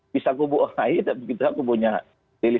bisa kubu'ahai begitu aku punya diri